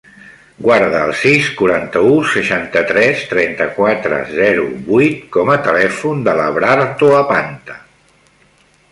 Guarda el sis, quaranta-u, seixanta-tres, trenta-quatre, zero, vuit com a telèfon de l'Abrar Toapanta.